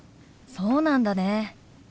「そうなんだね。